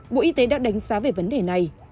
bộ y tế đã đánh giá về vấn đề này